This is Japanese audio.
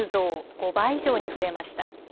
５倍以上に増えました。